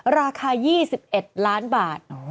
ราคา๒๑ล้านบาท